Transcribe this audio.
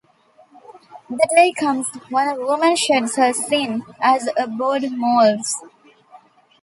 The day comes when a woman sheds her sin as a bird moults.